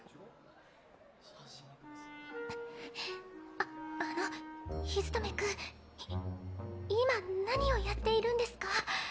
ああの陽務君い今何をやっているんですか？